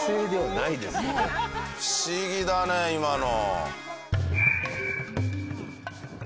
不思議だね今の。